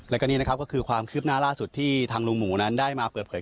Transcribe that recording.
แล้วก็นี่นะครับก็คือความคืบหน้าล่าสุดที่ทางลุงหมูนั้นได้มาเปิดเผย